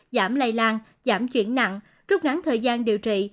giảm lây lan giảm chuyển nặng rút ngắn thời gian điều trị